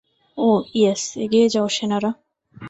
ও, yes, এগিয়ে যাও সেনারা!